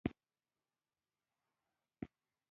اروپايي علومو او نوي فسلفې څخه یې ګټه اخیستې.